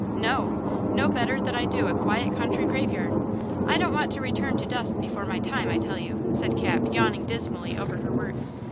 "No! no better than I do a quiet country graveyard! I don't want to return to dust before my time, I tell you!" said Cap, yawning dismally over her work.